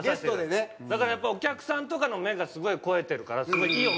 だからやっぱりお客さんとかの目がすごい肥えてるからすごいいい。